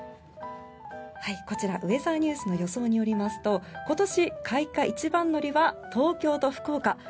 こちら、ウェザーニュースの予想によりますと今年開花一番乗りは東京と福岡。